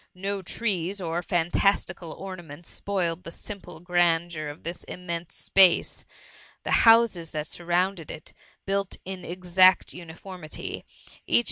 No trees or £antastU cal ornaments spoiled the simple grandeur of this immense space; the houses that sur« xounded it, built in exact uniformity, each S72 THE MUMMY.